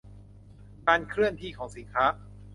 การเคลื่อนที่ของสินค้า